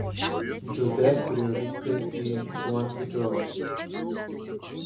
Džu De turėjo vykti į Guangdžou.